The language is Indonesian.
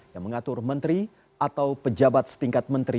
yang mengatur menteri atau pejabat setingkat menteri